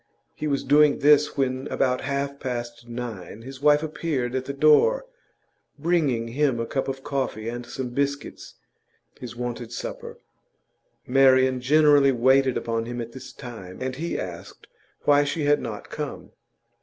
He was doing this when, about half past nine, his wife appeared at the door, bringing him a cup of coffee and some biscuits, his wonted supper. Marian generally waited upon him at this time, and he asked why she had not come.